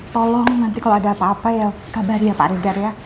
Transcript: tolong nanti kalau ada apa apa ya kabar ya pak regar ya